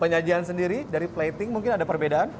penyajian sendiri dari plating mungkin ada perbedaan